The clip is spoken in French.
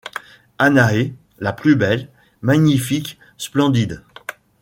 Hanaé, la plus belle, magnifique, splendide.